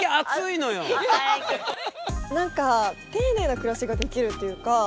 何か丁寧な暮らしができるというか。